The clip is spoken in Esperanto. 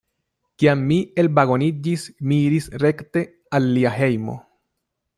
Kiam mi elvagoniĝis, mi iris rekte al lia hejmo.